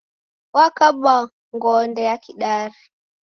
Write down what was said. Wakabwa ngonde ya Kidari